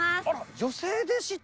女性でした。